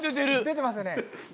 ［出てますよね］